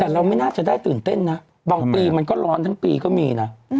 แต่เราไม่น่าจะได้ตื่นเต้นนะบางปีมันก็ร้อนทั้งปีก็มีนะ